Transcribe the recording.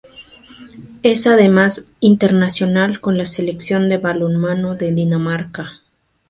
Es además internacional con la Selección de balonmano de Dinamarca.